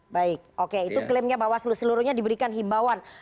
baik oke itu klaimnya bawaslu seluruhnya diberikan himbauan